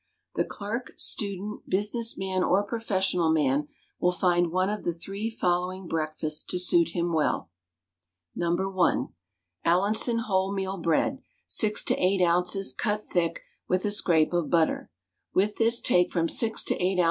The clerk, student, business man, or professional man, will find one of the three following breakfasts to suit him well: No. I. Allinson wholemeal bread, 6 to 8 oz., cut thick, with a scrape of butter; with this take from 6 to 8 oz.